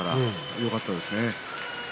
よかったですね。